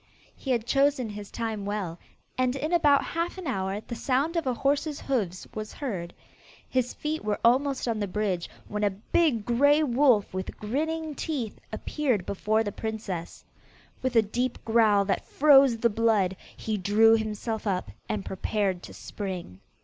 He had chosen his time well, and in about half an hour the sound of a horse's hoofs was heard. His feet were almost on the bridge, when a big grey wolf with grinning teeth appeared before the princess. With a deep growl that froze the blood, he drew himself up, and prepared to spring.